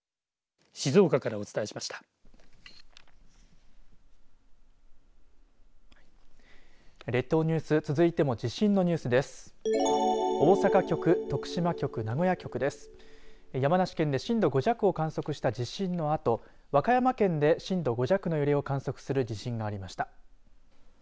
山梨県で震度５弱を観測した地震のあと和歌山県で震度５弱の揺れを観測する地震がありました。